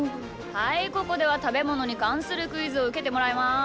はいここではたべものにかんするクイズをうけてもらいます。